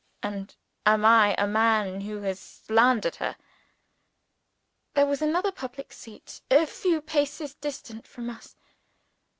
and am I a man who has slandered her?" There was another public seat, a few paces distant from us.